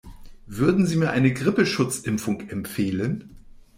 Würden Sie mir eine Grippeschutzimpfung empfehlen?